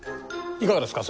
いかがですか？